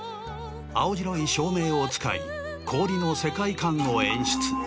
青白い照明を使い氷の世界観を演出。